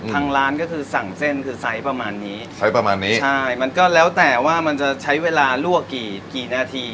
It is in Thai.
ทางร้านก็คือสั่งเส้นคือไซส์ประมาณนี้ใช้ประมาณนี้ใช่มันก็แล้วแต่ว่ามันจะใช้เวลาลวกกี่กี่นาที